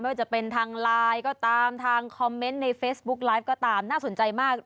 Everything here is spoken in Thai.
ว่าจะเป็นทางไลน์ก็ตามทางคอมเมนต์ในเฟซบุ๊กไลฟ์ก็ตามน่าสนใจมาก